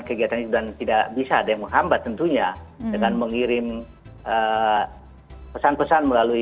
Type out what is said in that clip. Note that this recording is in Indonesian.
kegiatan itu dan tidak bisa ada yang menghambat tentunya dengan mengirim pesan pesan melalui